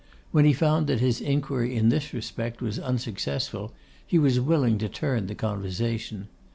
When he found that his inquiry in this respect was unsuccessful, he was willing to turn the conversation.